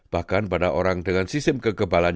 bahkan pada orang dengan sistem kekebalan